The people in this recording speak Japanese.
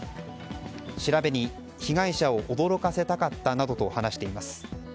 調べに被害者を驚かせたかったなどと話しています。